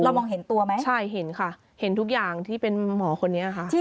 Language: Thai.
มองเห็นตัวไหมใช่เห็นค่ะเห็นทุกอย่างที่เป็นหมอคนนี้ค่ะ